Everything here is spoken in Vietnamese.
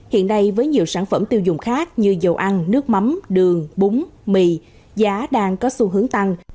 hiện nay với nhiều sản phẩm tiêu dùng khác như dầu ăn nước mắm đường bún mì giá đang có xu hướng tăng